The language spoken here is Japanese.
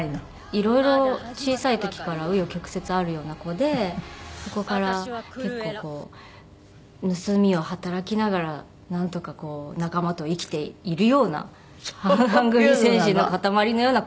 いろいろ小さい時から紆余曲折あるような子でそこから結構こう盗みを働きながらなんとかこう仲間と生きているようなハングリー精神の塊のような子ではあったんですけど。